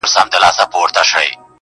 راوړئ پلار مي په رضا وي که په زوره-